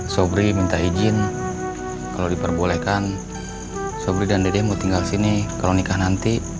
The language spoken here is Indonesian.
sobri minta izin kalau diperbolehkan sobri dan dede mau tinggal sini kalau nikah nanti